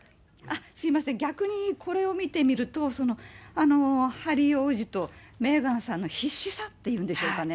すみません、逆にこれを見てみると、ハリー王子とメーガンさんの必死さって言うんでしょうかね。